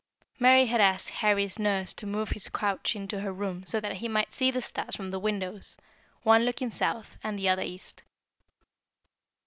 Mary had asked Harry's nurse to move his couch into her room so that he might see the stars from the windows, one looking south, the other east.